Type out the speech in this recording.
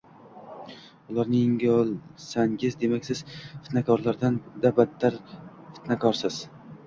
ularni yengolsangiz, demak, siz fitnakorlardan-da battar fitnakorsiz